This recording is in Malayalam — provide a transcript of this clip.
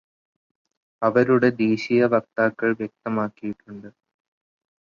അവരുടെ ദേശീയവക്താക്കൾ വ്യക്തമാക്കിയിട്ടുണ്ട്.